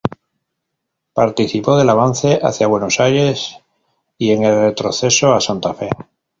Participó del avance hacia Buenos Aires y en el retroceso a Santa Fe.